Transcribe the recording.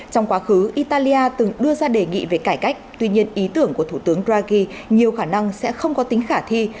trong quá khứ italia từng đưa ra đề nghị về cải cách tuy nhiên ý tưởng của thủ tướng dragi nhiều khả năng sẽ không có tính khả thi